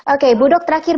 oke budok terakhir